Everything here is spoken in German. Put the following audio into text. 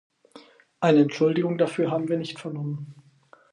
Eine Entschuldigung dafür haben wir nicht vernommen.